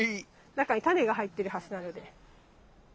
中にタネが入ってるはずなので。